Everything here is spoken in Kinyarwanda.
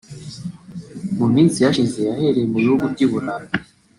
mu minsi yashize yahereye mu bihugu by’u Burayi